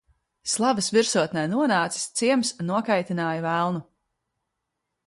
Slavas virsotn? non?cis, ciems nokaitin?ja velnu.